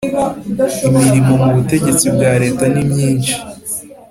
imirimo mu Butegetsi bwa Leta nimyinshi